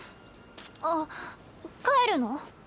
あっ帰るの？